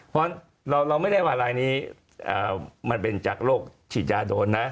เพราะเราไม่ได้ว่าลายนี้มันเป็นจากโรคฉีดยาโดนนะ